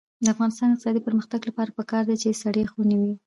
د افغانستان د اقتصادي پرمختګ لپاره پکار ده چې سړې خونې وي.